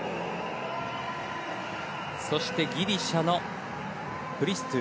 そしてギリシャのクリストゥ。